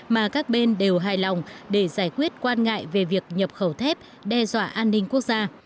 mà các bên đều hài lòng để giải quyết quan ngại về việc nhập khẩu thép đe dọa an ninh quốc gia